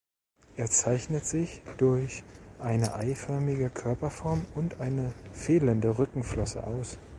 Er zeichnet sich durch eine „eiförmige“ Körperform und eine fehlende Rückenflosse aus.